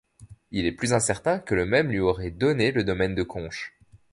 Il est plus incertain que le même lui aurait donné le domaine de Conches.